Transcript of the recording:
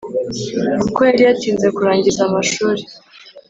kuko yari yatinze kurangiza amashuri.